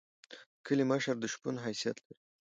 د کلی مشر د شپون حیثیت لري.